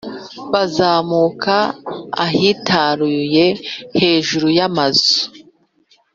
bazamuka ahitaruye hejuru y’amazu?